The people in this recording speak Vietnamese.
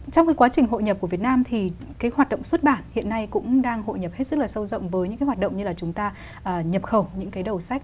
trong cái quá trình hội nhập của việt nam thì cái hoạt động xuất bản hiện nay cũng đang hội nhập hết sức là sâu rộng với những cái hoạt động như là chúng ta nhập khẩu những cái đầu sách